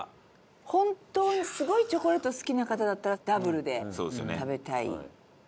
本当にすごいチョコレート好きな方だったらダブルで食べたい。